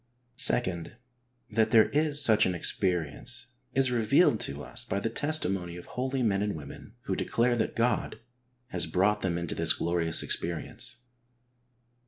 HEART TALKS ON HOLINESS. 2. Hiat there is such an experience is revealed to us by the testimony of holy men and women who declare that God has brought them into this glorious experience.